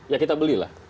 ya kita belilah